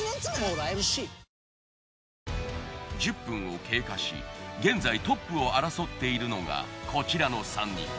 １０分を経過し現在トップを争っているのがこちらの３人。